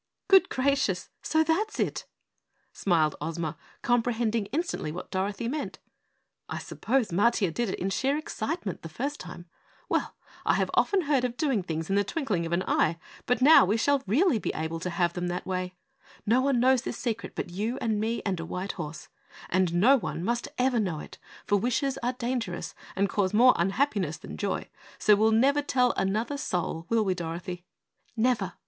"Good gracious, so THAT'S it!" smiled Ozma, comprehending instantly what Dorothy meant. "I suppose Matiah did it in sheer excitement the first time. Well, I have often heard of doing things in the twinkling of an eye, but now we shall really be able to have them that way. No one knows this secret but you and me and a white horse, and no one must ever know it, for wishes are dangerous and cause more unhappiness than joy, so we'll never tell another soul, will we, Dorothy?" "Never!"